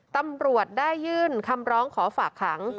ตำรวจได้ยื่นคำร้องขอฝากขัง